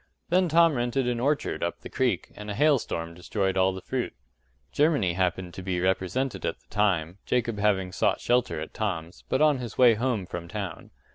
Then Tom rented an orchard up the creek, and a hailstorm destroyed all the fruit. Germany happened to be represented at the time, Jacob having sought shelter at Tom's but on his way home from town.